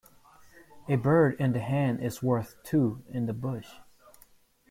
A bird in the hand is worth two in the bush.